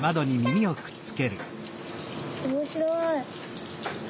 おもしろい。